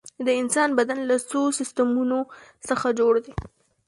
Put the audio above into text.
د انسان بدن له څو سیستمونو څخه جوړ دی